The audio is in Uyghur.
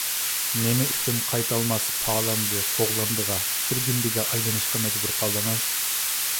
نېمە ئۈچۈن قايتالماس پالاندى - قوغلاندىغا، سۈرگۈندىگە ئايلىنىشقا مەجبۇر قالدىڭىز؟